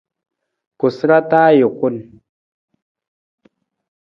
Koosara taa ajukun.